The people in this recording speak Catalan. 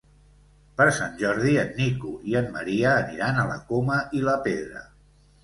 Per Sant Jordi en Nico i en Maria aniran a la Coma i la Pedra.